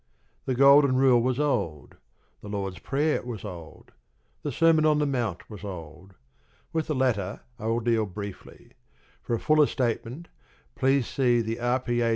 The Golden Rule was old. The Lord's Prayer was old. The Sermon on the Mount was old. With the latter I will deal briefly. For a fuller statement, please see the R.P.A.